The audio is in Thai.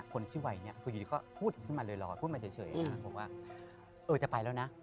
คนที่วัยนี้อยู่ดีก็พูดขึ้นมาเลยรอพูดมาเฉยบอกว่าเออจะไปแล้วนะ